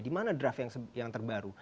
di mana draft yang terbaru